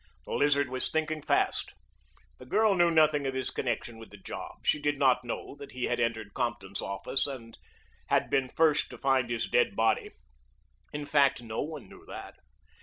The Lizard was thinking fast. The girl knew nothing of his connection with the job. She did not know that he had entered Compton's office and had been first to find his dead body; in fact, no one knew that.